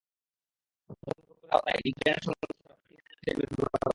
প্রথম প্রকল্পের আওতায় ইন্টারনেট সংযোগ ছাড়া প্রায় তিন হাজার ট্যাবলেট ব্যবহার করা হয়।